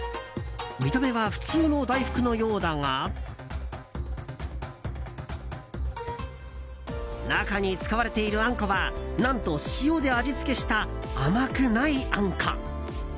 見た目は普通の大福のようだが中に使われているあんこは何と塩で味付けした甘くないあんこ。